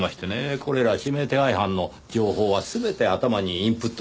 これら指名手配犯の情報は全て頭にインプットされています。